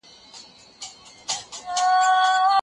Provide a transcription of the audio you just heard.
د کاروبار په وخت کي د راکړي ورکړي لپاره اړتيا ده.